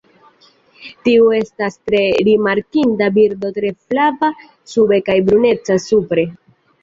Tiu estas tre rimarkinda birdo tre flava sube kaj bruneca supre.